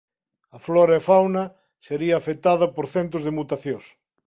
A flora e a fauna sería afectada por centos de mutacións.